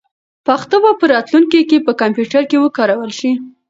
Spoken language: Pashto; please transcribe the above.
پښتو به په راتلونکي کې په کمپیوټر کې وکارول شي.